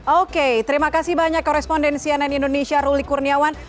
oke terima kasih banyak korespondensi ann indonesia ruli kurniawan